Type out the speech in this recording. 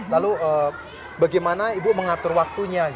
lalu bagaimana ibu mengatur waktunya